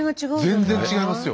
全然違いますよ。